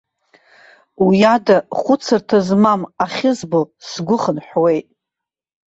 Уиада хәыцырҭа змам ахьызбо сгәы хынҳәуеит.